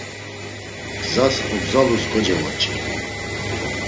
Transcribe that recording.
Gzas ogzalus kocevoç̌i.